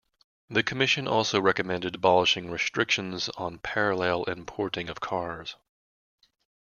The commission also recommended abolishing restrictions on parallel importing of cars.